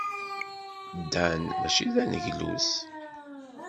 Dan maci d aneglus.